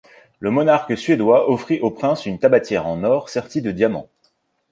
Le monarque suédois offrit au prince une tabatière en or sertie de diamants.